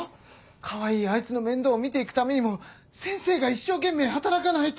かわいいあいつの面倒を見て行くためにも先生が一生懸命働かないと！